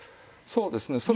そうですね。